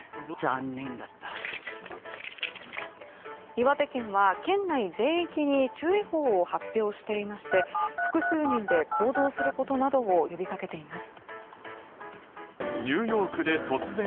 岩手県は県内全域に注意報を発表していまして複数人で行動することなどを呼び掛けています。